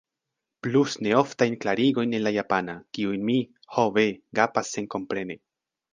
Plus neoftajn klarigojn en la japana, kiujn mi, ho ve, gapas senkomprene.